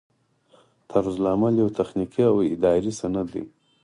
طرزالعمل یو تخنیکي او اداري سند دی.